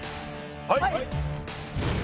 はい！